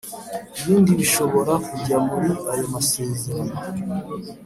Ibindi bishobora kujya muri ayo masezerano